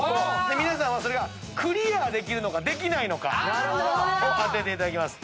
皆さんはそれがクリアできるのかできないのかを当てていただきます。